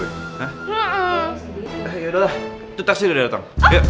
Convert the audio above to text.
yaudahlah tuh taxi udah dateng